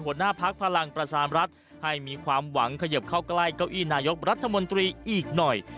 หัวหน้าพักพลังประชามรัฐให้มีความหวังเขยิบเข้าใกล้เก้าอี้นายกรัฐมนตรีอีกหน่อย